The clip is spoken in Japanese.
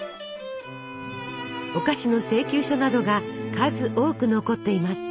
お菓子の請求書などが数多く残っています。